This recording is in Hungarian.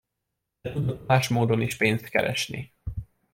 De tudott más módon is pénzt keresni.